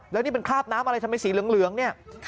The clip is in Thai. แล้วนี่มันขาบน้ำอะไรทำเป็นสีเหลืองนี่